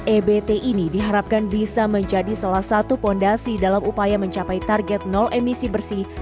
ebt ini diharapkan bisa menjadi salah satu fondasi dalam upaya mencapai target nol emisi bersih